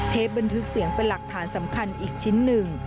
บันทึกเสียงเป็นหลักฐานสำคัญอีกชิ้นหนึ่ง